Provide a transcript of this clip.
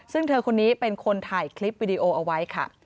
ซึ่งเธอคนนี้เป็นคนถ่ายคลิปวิดีโอเอาไว้ค่ะ